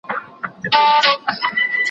ږغېدی په څو څو ژبو د پېریانو